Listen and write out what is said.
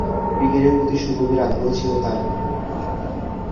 ক্রিকেটের প্রতি সুগভীর আগ্রহ ছিল তার।